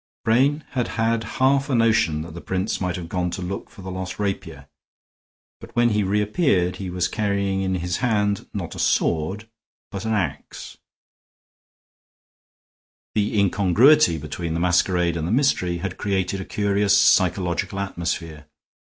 Brain had had half a notion that the prince might have gone to look for the lost rapier. But when he reappeared he was carrying in his hand, not a sword, but an ax. The incongruity between the masquerade and the mystery had created a curious psychological atmosphere.